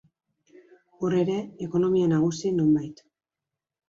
Hor ere, ekonomia nagusi, nonbait.